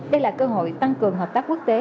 đây là cơ hội tăng cường hợp tác quốc tế